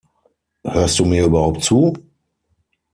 Hörst du mir überhaupt zu?